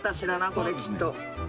これきっと。